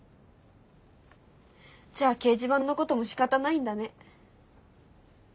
じゃあ掲示板のこともしかたないんだね。